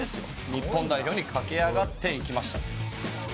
日本代表に駆け上がっていきました。